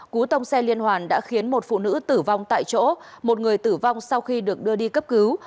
cú tông xe liên hoàn đã khiến một phụ nữ tử vong tại chỗ một người tử vong sau khi được đưa đi cấp cứu